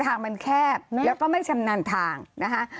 ทางมันแคบแล้วก็ไม่ชำนาญทางนะคะ